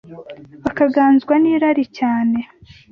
bakaganzwa n’irari cyane